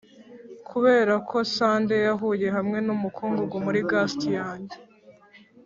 kuberako, sunday yahuye, hamwe numukungugu muri gants yanjye,